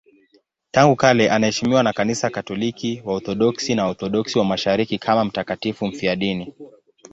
Tangu kale anaheshimiwa na Kanisa Katoliki, Waorthodoksi na Waorthodoksi wa Mashariki kama mtakatifu mfiadini.